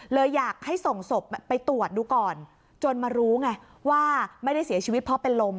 เลยอยากให้ส่งศพไปตรวจดูก่อนจนมารู้ไงว่าไม่ได้เสียชีวิตเพราะเป็นลม